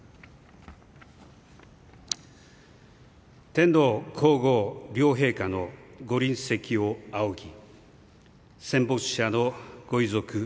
天皇皇后両陛下のご臨席を仰ぎ戦没者のご遺族